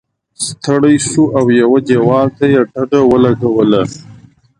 ستړی شو او یوه دیوال ته یې ډډه ولګوله.